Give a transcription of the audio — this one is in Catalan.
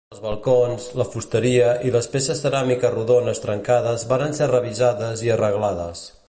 Els balcons, la fusteria i les peces ceràmiques rodones trencades varen ser revisades i arreglades.